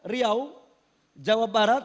riau jawa barat